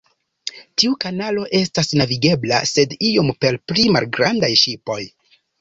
Tiu kanalo estas navigebla, sed iom por pli malgrandaj ŝipoj.